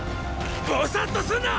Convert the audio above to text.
ボサッとすんな！